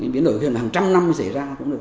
biến đổi khí hậu hàng trăm năm xảy ra cũng được